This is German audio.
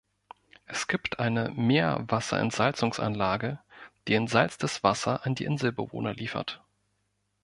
Es gibt eine Meerwasserentsalzungsanlage, die entsalztes Wasser an die Inselbewohner liefert.